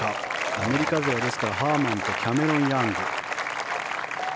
アメリカ勢は、ハーマンとキャメロン・ヤング。